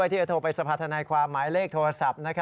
ที่จะโทรไปสภาธนายความหมายเลขโทรศัพท์